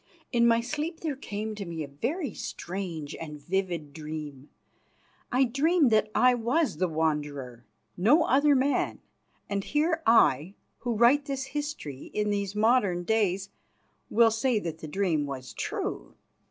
In my sleep there came to me a very strange and vivid dream. I dreamed that I was the Wanderer, no other man, and here I, who write this history in these modern days, will say that the dream was true.